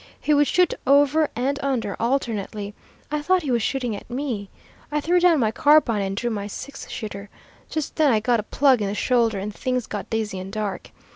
He would shoot over and under alternately. I thought he was shooting at me. I threw down my carbine and drew my six shooter. Just then I got a plug in the shoulder, and things got dizzy and dark.